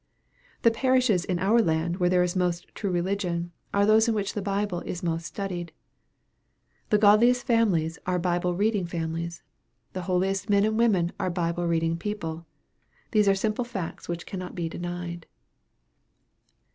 The parishes in our land where there is most true religion, are those in which the Bible is most studied. The godliest families are Bible reading families. The holiest men and women are Bible reading people. These are simple facts which cannot be denied.